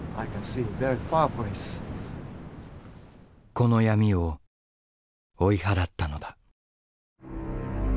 この闇を追い払ったのだ。